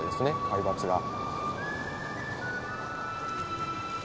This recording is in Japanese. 海抜が。